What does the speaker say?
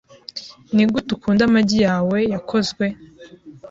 Nigute ukunda amagi yawe yakozwe?